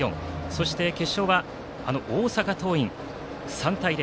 そして決勝はあの大阪桐蔭に３対０。